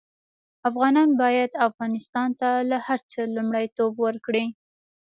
افغانان باید افغانستان ته له هر څه لومړيتوب ورکړي